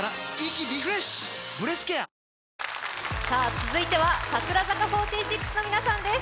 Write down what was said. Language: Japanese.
続いては櫻坂４６の皆さんです。